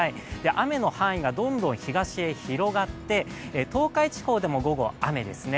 雨の範囲がどんどん東へ広がって、東海地方でも午後、雨ですね。